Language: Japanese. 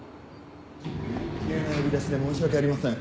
急な呼び出しで申し訳ありません。